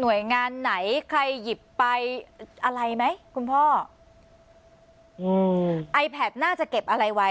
หน่วยงานไหนใครหยิบไปอะไรไหมคุณพ่ออืมไอแพทน่าจะเก็บอะไรไว้